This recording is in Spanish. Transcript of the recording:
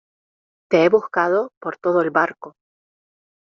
te he buscado por todo el barco.